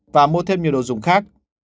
và mua thêm nhiều đồ dùng khác